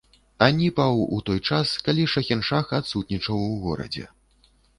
Ані паў у той час, калі шахіншах адсутнічаў у горадзе.